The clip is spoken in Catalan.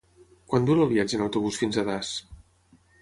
Quant dura el viatge en autobús fins a Das?